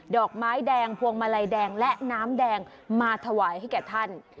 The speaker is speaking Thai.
อกไม้แดงพวงมาลัยแดงและน้ำแดงมาถวายให้แก่ท่าน